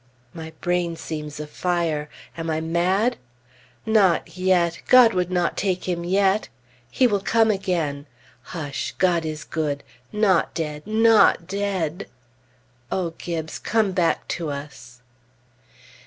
My brain seems afire. Am I mad? Not yet! God would not take him yet! He will come again! Hush, God is good! Not dead! not dead! O Gibbes, come back to us!